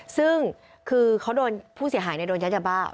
ซึ่งคือเขาโดนผู้เสียหายโดนยัดยาบ้า